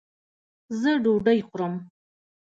ځه ډوډي خورم